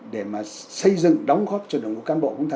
để xây dựng đóng góp cho đồng đội cán bộ